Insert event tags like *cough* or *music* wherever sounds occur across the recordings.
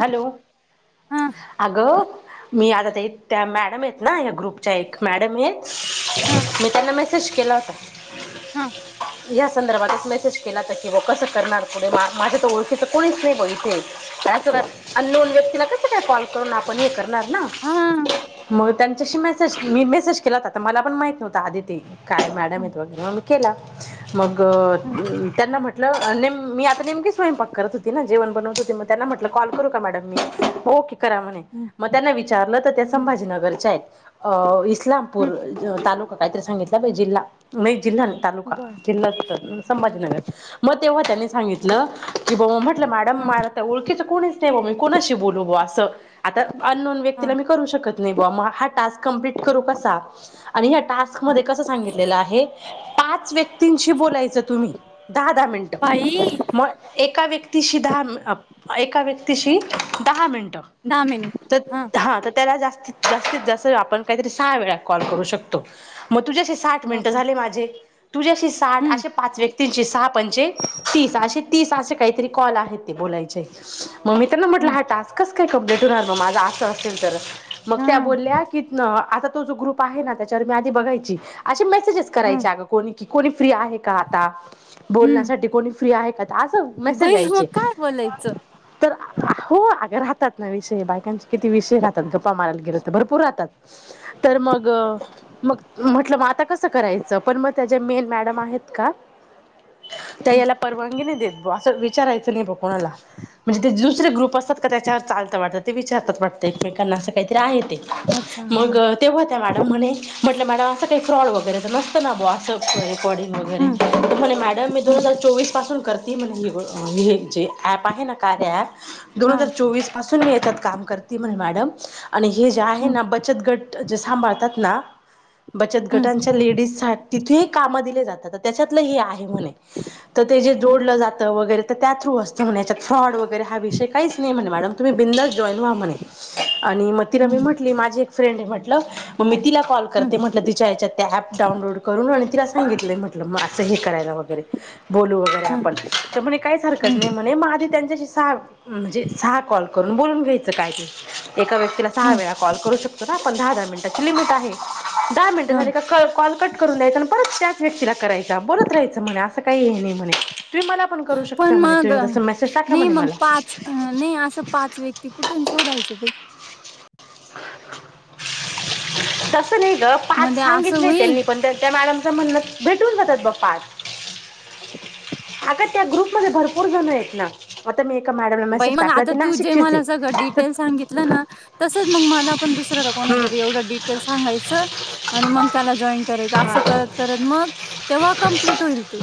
Hello हा अगं मी आता ते त्या मॅडम येत ना या ग्रुपच्या एक मॅडम हे मी त्यांना मेसेज केला होता हम या संदर्भातच मेसेज केला तर की व कसं करणार पुढे मा माझ्या तर ओळखीचं कोणीच नाही ब इथे अ बर अस अनोन् व्यक्तीला कसं काय कॉल करून आपण हे करणार ना हा मग त्यांच्याशी मेसेज मी मेसेज केला होता तर मला पण माहित नव्हता आदिती काय मॅडम ह येत वगैे मम केला मग ह त्यांना म्हटलंम मी आता नेमकीे स्वयंपाक करत होती ना जेवण बनवत होते म त्यांना म्हटलं कॉल करू का मॅडम मी ओके करा म्हणे मग त्यांना विचारलं तर त्या ह ह संभाजीनगरच्या आहेत अ इस्लामपूर तालुका काहीतरी सांगितला बा जिल्हा म्ह एक जिल्हा नाही तालुका बर जिल संभाजीनगर मग तेव्हा त्यांनी सांगितलं की बा मॅडम ह मला ओळखीच कोणीच नाही हो मी कोुणाशी बोलू ब असं आता अननोन ह व्यक्तीला मी करू शकत नाही बा म हा टास्क कंप्लीट करू कसा आणि या टास्क ह मध्ये कसं सांगितलेलं आहे पाच व्यक्तींशी बोलायचं तुम्ही दहा दहा मिनट बाई एका व्यक्तीशी दहा एका व्यक्तीशी दहा मिनटं दहा मिनिट तर हा तर त्याला जास्त जास्तीत जास्त आपण काहीतरी सहा वेळा कॉल करू शकतो मग तुझ्या साठ मिनट बापरे झाले माझे तुझ्याशी साठ हम्म असे पाच व्यक् तीनशे सहा पंचेे तीस असे तीस असे काहीतरी कॉल आहेत ते बोलायचे मग मी त्यांना म्हटलं हम्म हा टास्कच काय कमप्लीट होणार मग माझा असं असेल तर मग हा त्या बोलल्या की आता तो जो ग्रुप आहे ना त्याच्यावर मी आधी बघायची असे मेसेजेस हा करायचे अ कोणी की कोणी फ्री आहे का आता हम्म बोलण्यासाठी कोणी फ्री आहे का असं मेसेज बई मग यायचे. काय बोलायचं तर आ हो अग राहतात ना विषय बायकांचे किती विषय राहतात गप्पा मारायला गेले तर भरपूर राहतात. तर मग. मग म्हटलं मग आता कसं करायचं पण मग त्या ज मेन मॅडम आहेत का. त्या हम् याला परवानगी नाही देत ब असं विचारायचं नाही ब कोणाला? म्हणजे ते दुसरे ग्रुप असात का त्याच्यावर चालतं वाटतं ते विचारतात वाटतं एकमेकांना असं काहीतरी आहे ते. अच्छा मग हा तेव्हा त्या् मॅडम म्हणे. म्हटलं मॅडम असं काही फ्रॉड वगैरे नसत ना बं रेकॉर्डिंग वगैरे हम्म तर म्हणे मॅडम मी दो हम्म हजार चोवीस. पासून करते म्हण हे हे जे ऍप आहे ना कार्य ऍप. दोन हा हजार चोवीस पासून मी येतात काम करते म्ह मॅडम. आणि हे जे आहे हम्म ना बचत गट जे सांभाळतात ना. बचत हम्म गटांच्या लेडीज तिथेही काम दिले जातात त्याच्यातलं हे आहे म्हणे. ते जे हम्म जोडलं जातं वगैरे तर त्या थ्रू असस्ते होण्याच्या. फ्रॉड वगैरे हा विषय काहीच नाही म्हणे मॅडम तुम्ही बिंदास जॉईन व्हा म्हणे. आणि मग तिला मी म्हटली माझी एक फ्रेंड आहे म्हटलं मग मी तिला कॉल हम्म करते म्हटलं तिच्या या्याच्यात. त्या ऍप डाउनलोड करून आणि तिला सांगितलंय म्हटलं मग असं हे करायला वगैरे. बोलू वगैरे आपण हम्म तर म्हणे काहीच हरकत हम्म नाही म्हणे म आधी त्यांच्याशी सा म्हणजे सहा कॉल करून बोलून घ्यायचं काय ते. एका व्यक्तीला सहा हम्म वेळा कॉल करू शकतो ना आपण दहा दहा मिनिटची लिमिट आहे दहा हा मिनिट झा कॉल. कट करून द्यायच आणि परत त्याच व्यक्तीला करायचा बोलत रायचं म्हणे असं काही हे नाही म्हणे. तुम्ही मला पण करू पण शकता म्हणे तुम्ही जस मेसेज टाका म्हणे मला. अ नाही असं पाच व्यक्ती कुठून शोधायचे ते. तसं नाही ग पाच मध्ये असं सांगितलं होईल त्यांनी पण त्या त्या मॅडमचं म्हणणं. भेटून जातात ब पाच अग त्या ग्रुपमध्ये भरपूर जण आहेत ना. आता मी एका मॅडमला मेसेज टाकला ती ना शिकषित. े सांगितलं ना तसच मग मला पण दुसरला कोणा हम्म, जरी एवढं डिटेल सांगायचं. आणि मग त्याला जॉईन करायचं असं हा. करत करत मग तेव्हा कम्प्लीट होईल ते.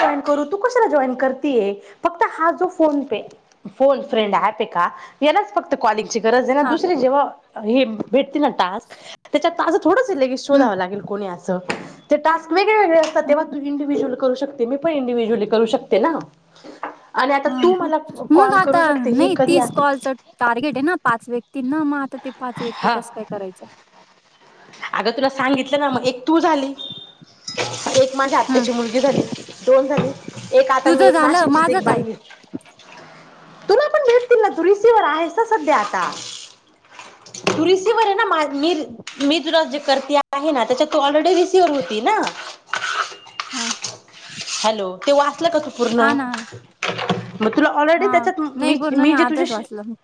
जन करू तू कशाला जॉईन करतेय फक्त हा जो फोन पे फोन फ्रेंड आहे का. यांनाच फक्त कॉलिंगची गरज आहे ना हा दुसर जेव्हा हे भेटते ना टास्क. त्याच्यात आस थोडंस लेगी हम्म शोधावं लागेल कोणी असं. ते टास् वेगळेवेगळे असतात तेहा तू इंडिव्हज्यअल करूकता. ते मी पण इंडिव्हज्युअली करू शकते ना. आणि आता हा तू का मला मग कॉल करू आता शकते हे नाही कधी आ तीस कॉलच टार्गेट आहे ना पाच व्यक्तीना मग आता ते पाच व्यक्ती हा कसं काय करायचं. अगं तुला सांगितलं ना मग एक तू झाली. एक माझ्या हम्म आत्याची मुलगी झाली. दोन झाले एक आता मी तुझं एक झालं नाशिकचीच माझं एक काय बाईली. तुला पण भेटतील ना तू रिसी्हवर आहेस ना सध्या आता. तुलसीवर आहे ना मी मी तुला जे करते.. नाही ना त्याच्यात तू ऑलरेडी रिसिवर्ह होती ना. हा. हॅलो ते वाचलं का तू पूर्ण हा ना मग तुला ऑलरेडी हा त्याच्यात नाही मी पूर्ण नाही मी जे तुझे. आताच वाचलं मी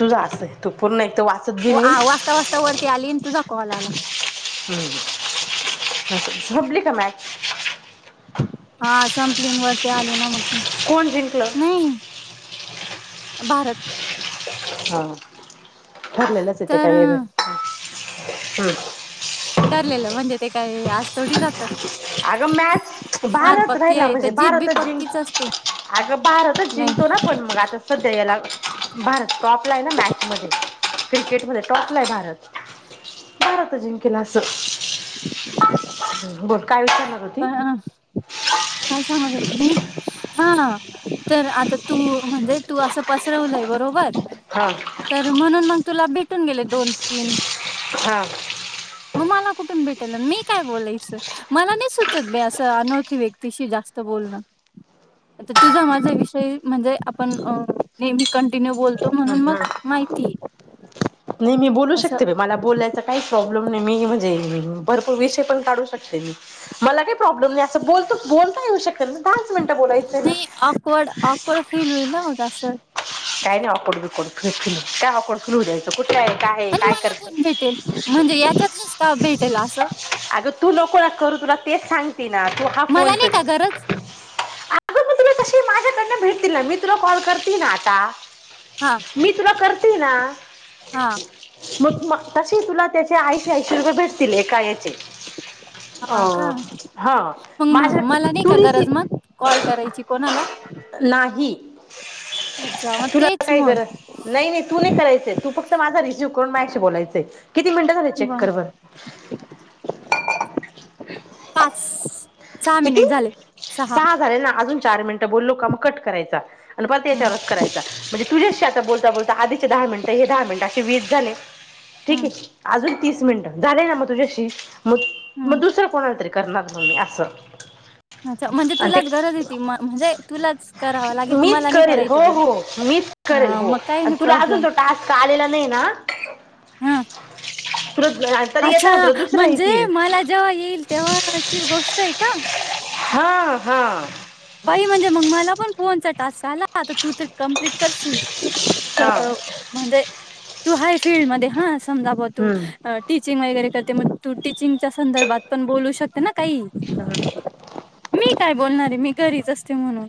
तुझा असय तू पूर्ण एक वाच आ वाचता वाजता वरती आली तुझा कॉल आला. हम्म झोपली का मॅट हा संपली वर. ते आले ना मग कोण जिंकलं नाही भारत. हा ठरलेलंच येते तर काय वेग हम्. ठरलेलं म्हणजे ते काही आज थोडी जातं. अगं मॅच भारत राहिला आहे तर म्हणजे जीत बी भारतच जिंक पक्कीच असते अगं बाराातच नाही जिंकतो ना पण मग आता सध्या याला भारत टॉपला आहे ना मॅच मध्ये क्रिकेटमध्येध्ये टॉपला आहे भारत भारत जिंकल असं हम् बोल काय विचारणार प होती *inaudible* काय सांगाुमी हा तर आता तू म्हणजे तू असं पसरवलंय बरोबर हा तर म्हणून मग तुला भेटून गेले दोन तीन हा मग मला कुठून भेटेल मी काय बोलायचं. मला नाही सुचत मी असं अनोखी व्यक्तीशी जास्त बोलणं तर तूझ माझा विषय म्हणजे आपण नेहमी कंटिन्यू बोलतो म्हणून मग माहिती नाही मी बोलू असं शकते मला बोलायचा काही प्रॉब्लेम नाही मी म्हणजे भरपूर विषय पण काढू शकते. मला काही प्रॉब्लेम नाही असं बोलतो बोलता येऊ शकत ना दहाच मिनिटं बोलायचं ना अकवड ऑकवर्ड फील होईल ना होग सर काय नाही अकोड बकोड फल काय अकोड फुलू द्यायचं कुठे आहे काय आणि काय मला करतं कोण भेटेल म्हणजे याच्यातलीच्टाफ भेटेल असं अगं तू नको करू तुला तेच सांगते ना तू हा फोन पे कर तरंच त्यां भेटतील ना मी त्र कॉल करतील ना आता हा मी तुला करते ना हा मग मग तसे तुला त्याचे ऐशी ऐंशी रुपये भेटतील एका याचे हा का अ हा मग माझ्या म मला नाही तू का रिसी गरज मग कॉल करायची कोणाला नाही अच्छा मग तुला तेच काय मग करा नाही नाही तू नाही करायचंय तू फक्त माझा रिझ्यव करून माझशी बोलायचंय किती मिनटं झाले बर चेक्करवर पाच सहा किती मिनिट झाले सहा झाले ना अजून चार मिनट लो क कराय हम्म करायचा म्हणजे तुझ्याशी आता बोलता बोलता आधीचे दहा मिनिटं हे दहा मिनिट असे वेज झाले. ठीक हम्म आहे अजून तीस मिनिटं झाले ना मग तुझ्याशी मग मग हम्म दुसरं कोणातरी करणार म्मी असं अच्छाणजे आणि तुलाच ते गरज म्हणजे तुलाच कराव लागेल ते मीच मला नाही करेल हो करायचं तर मग का तू अजून तो टास्क आलेला नाही ना हा त अच्छा म्हणजे मला जेव्हा येईल तेव्हाची गोष्ट आहे का. हा-हा बाई म्हणजे मग माला पण फोन चा टास्क आला आता तू तर कम्प्लीट करशील हा म्हणजे तू हाय फील्डमध्ये हा समजा ब तू हम्म टीचिंग वगैरे करते मग तू टीचिंगच्या संदर्भात पण बोलू शकते ना काही ह मी काय बोलणार आहे मी घरीच असते म्हणून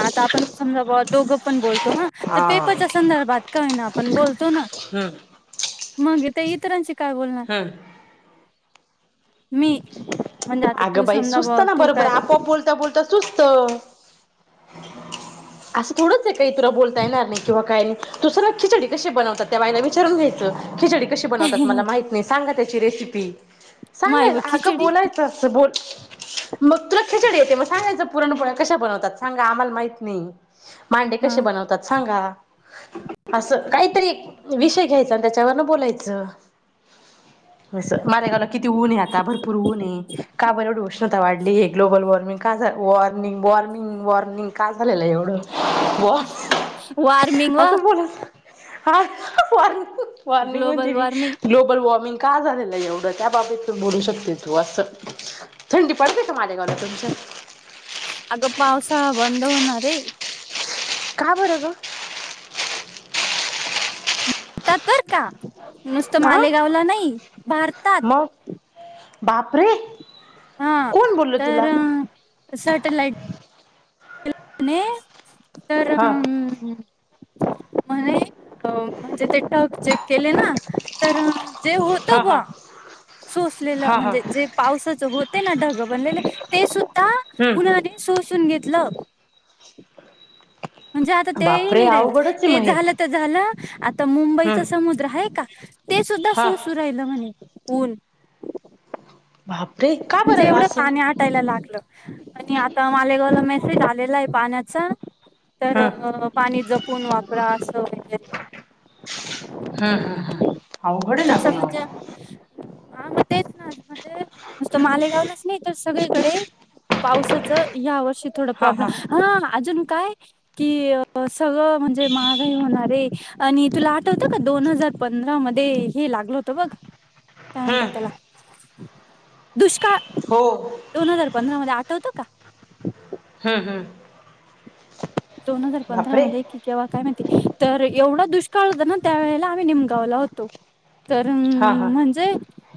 आता आपण समजा ब दोघं पण बोलतो हा तर पेपरच्या संदर्भात काय ना आपण बोलतो ना हम्म मग ते इतरांचे काय बोलणार हम्म मी म्हणजे आता अगं तू बाई समजा सुचत बा ना तू बरोबर काय आपोआप बोलता-बोलता सुचत असं थोडंच आहे काय, तुला बोलता येणार नाही किंवा काही नाही. सूचना खिचडी कशी बनवतात, त्या बाईला विचारून घ्यायचं खिचडी कशी बनवतात मला माहिती- सांगा त्याची रेसिपी. माय व सांगा- अगं खिचडी बोलायचं अस बोल मग तुला खिचडी येते, मग सांगायचं पुरणपोळ्या कशा बनवतात सांगा आम्हाला माहित नाही. मांडे हा कशे बनवतात सांगा? असं काहीतरी विषय घ्यायचा आणि त्याच्यावरन बोलायचं. अस मालेगावला किती ऊने आता भरपूर ऊन आहेे, का बर येवढं ऊन उष्णता वाढली हे, ग्लोबल वॉर्मिंग का झा वॉर्मिंग-वॉर्मिंग-वॉर्मिंग का झालेलं आहे एवढं? वॉ वॉर्मिंग व असं बोलायचं. हा वॉर्निंग म्हणते ग्लोबल मी, वॉर्मिंग ग्लोबल वॉर्मिंग का झालेलं आहे एवढं, त्या बाबीत बोलू शकते. तू अस थंडी पडते का मालेगावला तुमच्या? अगं पावसाळा बंद होणार ये. का बर ग? भारतात बर का नुसतं हा मालेगावला नाही भारतात? *unintelligible* मग बापरे. हा कोण बोलल तुला तर सॅटेलाइट- म्हणे तर- हा म्हणे, म्हणजे ते ढग चेक केले ना तर- जे होत हा हा बुवा, सोसलेलं हा हा म्हणजे जे- पावसाच होते ना ढगं बनलेले, ते सुद्धा हम्म उन्हाने शोषून घेतलं. म्हणजे आता ते बापरे नाही राहिलं, अवघडच आहे ते मग हे झालं- ते झालं आता हम्म मुंबईचा समुद्र आहे का, ते सुद्धा हा शोषु राहि- लं म्हणे ऊन. बापरे का - म्हणजे एवढं पाणी आटायला लागलं आणि आता मालेगावला मेसेज आलेलाय पाण्याचा- हम्म तर पाणी जपून वापरा असं वगैरे. हम्म-हम्म-हम्म अवघड ना हे तसं ग म्हणजे मग. हा मग तेच ना. म्हणजे नुसतं मालेगावलाच नाही, तर सगळीकडे पावसाचं या वर्षी थोडं प्रॉब्लेम हा अजून काय- कि सगळं म्हणजे महागाई होणार आहे आणि तुला आठवतं का दोन हजार- पंधरा मध्ये हे लागल होतं बघ- *unintelligible* *inaudible* काय म्हणतात हम्म त्याला? दुष्काळ- हो. दोन हजार पंधरा मध्ये आठवतं का? हम्मं, हम्म. दोन हजार पंधरा बापरे मध्ये की केव्हा काय माहिती तर एवढा दुष्काळ होत ना- त्यावेेळेला आम्ही निमगावला होतो तर- हा, हा. म्हणजे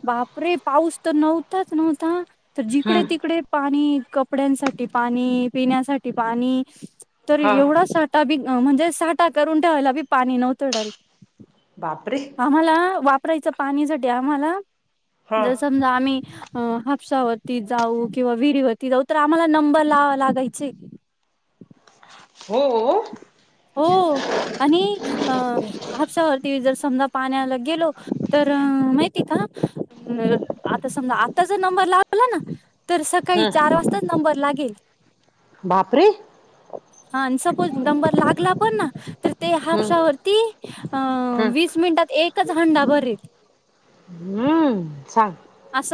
बापरे, पाऊस तर नव्हताच नव्हता तर हम्म जिकडे-तिकडे- पाणी, कपड्यांसाठी पाणी, पिण्यासाठी पाणी, तर हा एवढा ठा *unintelligible* म्हणजे साठा करून ठेवायला बी पाणी नव्हतं डायरेक्ट बापरे- आम्हाला वापरायचं पाणीसाठी आम्हाला हा ज समजा आम्ही- अ.. हापसा वरती जाऊ किंवा विहिरीवरती जाऊ तर आम्हाला नंबर लावावा लागायचे. हो... हो आणि अ हपसा- ते जर समजा पाण्याला गेलो तर माहिती का? हम्म, आता समजा आता जर नंबर लावला ना तर सकाळी हम्म चार वासताच नंबर लागेल. बापरे. हा आणि सपोज नंबर लागला पण ना तर ते हम्म हापशावरती अ हम्म वीस मिनिटात एकच हांडा भरेल. हम्म, छान. अस.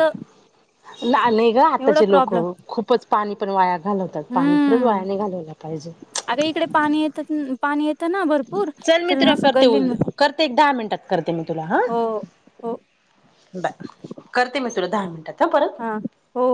लाआन हे ग आताचे लोक खूपच पाणी पण वाया घालवत पाणी खरंच वाया नाही घालवलं पाहिजे. अगं इकडे पाणी येतंन पाणी येतना भरपूर चल मी तर तुला असं करते गल्लीन उल करते एक दहा मिनिटात करते मी तुला हा, हो हो बाय, करते मी तुला दहा मिनटात हा परत. हो...